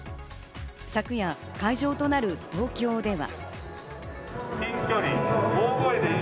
昨夜、会場となる東京では。